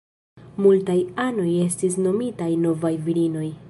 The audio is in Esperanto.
Multaj anoj estis nomitaj "Novaj Virinoj".